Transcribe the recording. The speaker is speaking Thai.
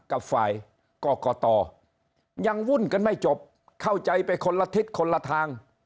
กับฝ่ายกรกตยังวุ่นกันไม่จบเข้าใจไปคนละทิศคนละทาง